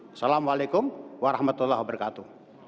assalamu'alaikum warahmatullahi wabarakatuh